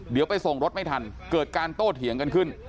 เดี๋ยวไปส่งรถไม่ทันเกิดการโต้เถียงกันขึ้น